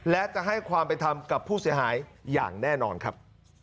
และจะให้ความเป็นธรรมกับผู้เสียหายอย่างแน่นอนครับ